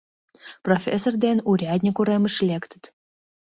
Профессор ден урядник уремыш лектыт.